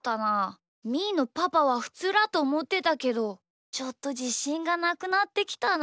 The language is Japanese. みーのパパはふつうだとおもってたけどちょっとじしんがなくなってきたな。